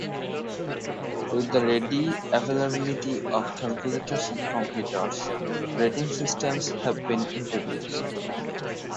With the ready availability of calculators and computers, "rating" systems have been introduced.